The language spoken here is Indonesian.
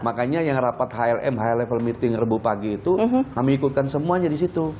makanya yang rapat hlm high level meeting rebuh pagi itu kami ikutkan semuanya di situ